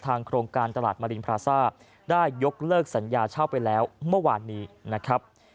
โครงการตลาดมารินพราซ่าได้ยกเลิกสัญญาเช่าไปแล้วเมื่อวานนี้นะครับ